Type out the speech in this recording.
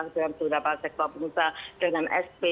dengan beberapa sektor pengusaha dengan sp